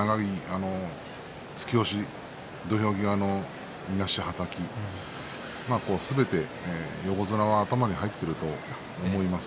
あの突き押し土俵際のいなし、はたきすべて横綱は頭に入っていると思います。